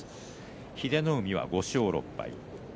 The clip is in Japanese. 英乃海は５勝６敗。